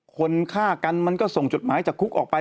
คนฆ่ากันมันก็ส่งจดหมายจากคุกออกไป